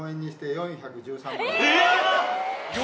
４１３万。